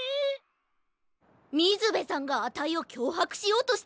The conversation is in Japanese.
みずべさんがあたいをきょうはくしようとしてたってことか？